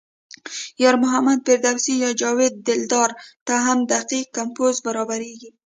یار محمد پردیس یا جاوید دلدار ته هم دقیق کمپوز برابرېږي.